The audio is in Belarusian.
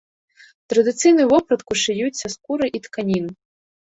Традыцыйную вопратку шыюць са скуры і тканін.